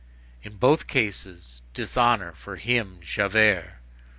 In both cases, dishonor for him, Javert.